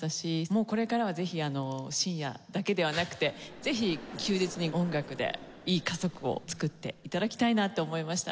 もうこれからはぜひ深夜だけではなくてぜひ休日に音楽でいい家族を作って頂きたいなって思いました。